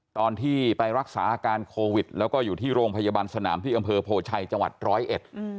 ตอนที่ไปรักษาอาการโควิดแล้วก็อยู่ที่โรงพยาบาลสนามที่อำเภอโพชัยจังหวัดร้อยเอ็ด